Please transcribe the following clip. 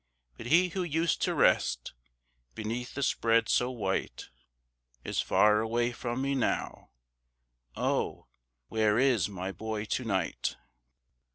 But he who used to rest Beneath the spread so white Is far away from me now, Oh, where is my boy to night?